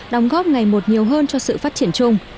đóng góp ngày một nhiều hơn cho sự phát triển chung